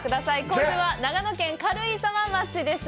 今週は、長野県軽井沢町です。